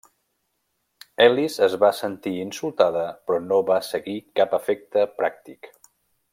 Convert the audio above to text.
Elis es va sentir insultada però no va seguir cap efecte pràctic.